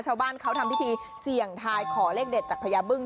ชาวบ้านเขาทำพิธีเสี่ยงทายขอเลขเด็ดจากพญาบึ้ง